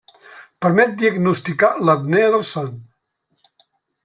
Permet diagnosticar l'apnea del son.